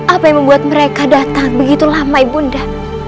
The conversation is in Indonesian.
apa yang membuat mereka datang begitu lama ibu nda